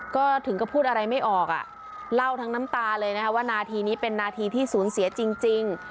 ก็ถึงก็พูดอะไรไม่ออกอ่ะเล่าทั้งน้ำตาเลยนะคะว่านาทีนี้เป็นนาทีที่สูญเสียจริง